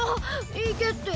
⁉行けって。